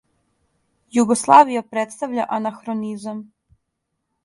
Југославија представља анахронизам!